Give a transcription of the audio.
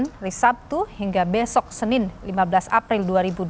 dari sabtu hingga besok senin lima belas april dua ribu dua puluh